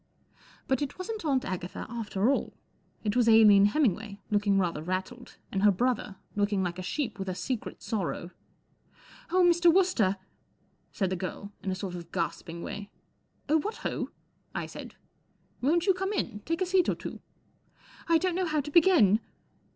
But it wasn't Aunt Agatha after all. It wac Aline Hemmingway, looking rather rattled, and her brother, looking like a sheep with a secret sorrow. 4 Oh, Mr. Wooster ! 99 said the girl, in a sort of gasping way. 4 Oh, what ho !" I said. " Won't you come in ? Take a seat or two." 1 don't know how to begin."